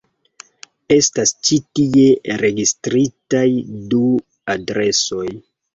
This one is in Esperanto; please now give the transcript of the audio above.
Estas ĉi tie registritaj du adresoj.